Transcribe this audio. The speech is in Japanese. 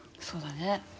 そうだね。